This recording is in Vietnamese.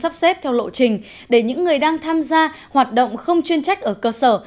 sắp xếp theo lộ trình để những người đang tham gia hoạt động không chuyên trách ở cơ sở